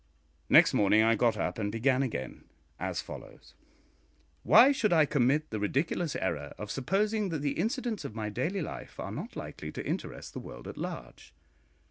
Next morning I got up and began again as follows: Why should I commit the ridiculous error of supposing that the incidents of my daily life are not likely to interest the world at large?